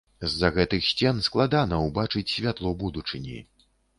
З-за гэтых сцен складана ўбачыць святло будучыні.